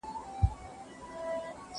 آیا بل څوک هم شته چې دا غږ واوري؟